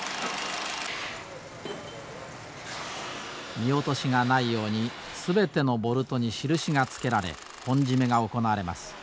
見落としがないように全てのボルトに印が付けられ本締めが行われます。